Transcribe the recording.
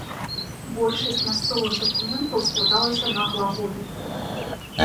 Большасць мясцовых дакументаў складалася на глаголіцы.